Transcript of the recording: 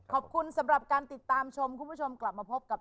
ขอบคุณสำหรับการติดตามชมคุณผู้ชมกลับมาพบกับ